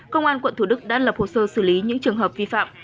công an quận thủ đức đã lập hồ sơ xử lý những trường hợp vi phạm